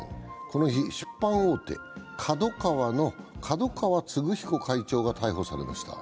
この日、出版大手、ＫＡＤＯＫＡＷＡの角川歴彦会長が逮捕されました。